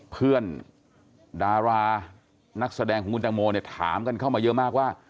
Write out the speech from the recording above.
เพื่อนดารานักแสดงของคุณตังโมเนี่ยถามกันเข้ามาเยอะมากว่า